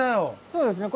そうですね。